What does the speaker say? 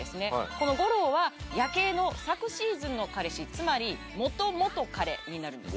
このゴローはヤケイの昨シーズンの彼氏つまり元々カレになるんです